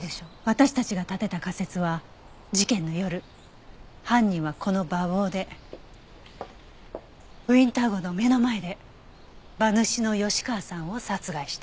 私たちが立てた仮説は事件の夜犯人はこの馬房でウィンター号の目の前で馬主の吉川さんを殺害した。